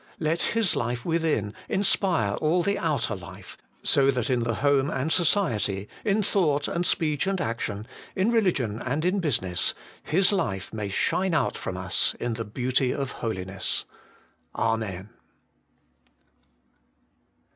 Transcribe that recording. Let His life within inspire all the outer life, so that in the home and society, in thought and speech and action, in religion and in business, His life may shine out from us in the beauty of holiness. Amen.